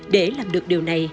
để làm được điều này